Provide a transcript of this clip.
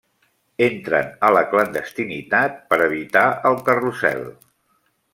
Entren a la clandestinitat per evitar el Carrusel.